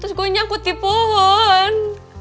terus gue nyangkut di pohon